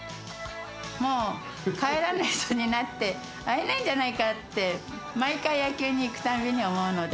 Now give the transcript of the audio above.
もう帰らない人になって会えないんじゃないかなって、毎回、野球に行くたんびに思うので。